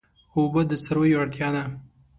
اوبه د څارویو اړتیا ده.